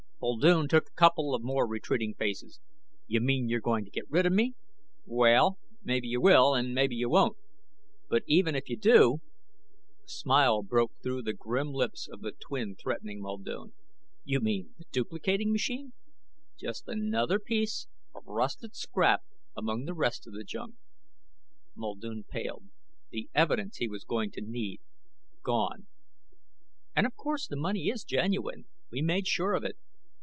Muldoon took a couple of more retreating paces. "You mean you're going to get rid of me? Well, maybe you will, and maybe you won't. But even if you do ..." A smile broke through the grim lips of the twin threatening Muldoon. "You mean the duplicating machine? Just another piece of rusted scrap among the rest of the junk." Muldoon paled. The evidence he was going to need, gone. "And of course the money is genuine. We made sure of it.